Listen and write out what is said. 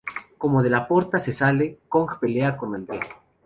Como De La Porta se sale, Kong pelea con Andre.